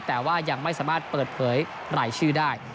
แต่ว่ายังไม่สามารถเปิดเผยรายชื่อได้